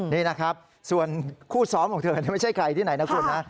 นี่นะครับส่วนคู่ซ้อมของเธอไม่ใช่ใครที่ไหนนะคุณนะ